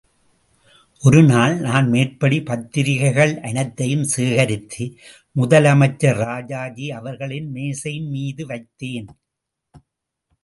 ஒருநாள் நான் மேற்படி பத்திரிகைகள் அனைத்தையும் சேகரித்து முதலமைச்சர் ராஜாஜி அவர்களின் மேஜையின்மீது வைத்தேன்.